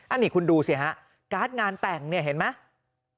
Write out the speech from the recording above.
อันนี้คุณดูสิฮะการ์ดงานแต่งเนี่ยเห็นไหม